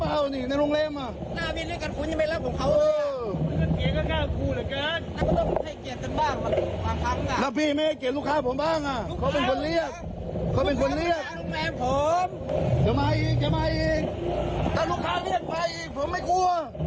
ถ้าลูกค้าเรียกไปอีกผมไม่กลัว